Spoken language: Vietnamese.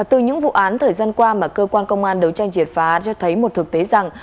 từ những vụ án thời gian qua mà cơ quan công an đấu tranh triệt phá cho thấy một thực tế rằng